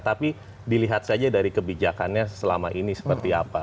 tapi dilihat saja dari kebijakannya selama ini seperti apa